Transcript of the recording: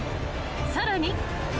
［さらに］